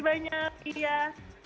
terima kasih terima kasih banyak